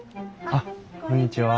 あっこんにちは。